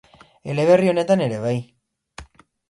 Eleberri honetan ere bai.